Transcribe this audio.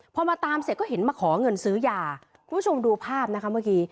พอมาตามเสร็จก็เห็นมาขอเงินซื้อยาคุณผู้ชมดูภาพนะคะเมื่อกี้